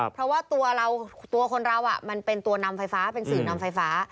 เพราะว่าตัวเราตัวคนเรามันเป็นตัวนำไฟฟ้าเป็นสื่อนำไฟฟ้า